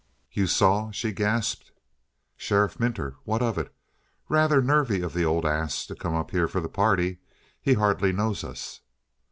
"You saw?" she gasped. "Sheriff Minter? What of it? Rather nervy of the old ass to come up here for the party; he hardly knows us."